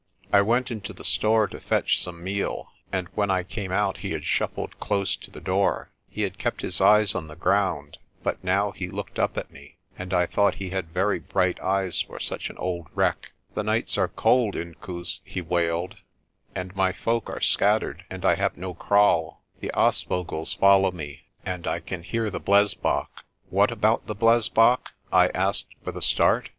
I went into the store to fetch some meal, and when I came out he had shuffled close to the door. He had kept his eyes on the ground, but now he looked up at me, and I thought he had very bright eyes for such an old wreck. "The nights are cold, Inkoos," he wailed, "and my folk are scattered, and I have no kraal. The aasvogels follow me, and I can hear the blesbok." * Hemp. t Great Chief. 90 PRESTER JOHN "What about the blesbok?' I asked with a start.